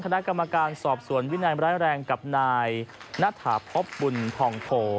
คณะกรรมการสอบส่วนวินัยแรกแรงกับนายนธพพบุลธองโถ